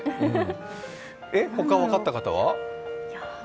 他、分かった方は？